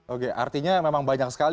oke artinya memang banyak sekali